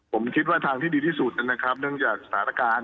ผมคิดว่าทางที่ดีที่สุดนะครับเนื่องจากสถานการณ์